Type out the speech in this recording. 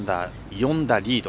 ４打リード。